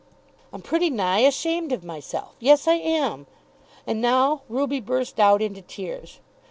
"I'm pretty nigh ashamed of myself. Yes, I am." And now Ruby burst out into tears.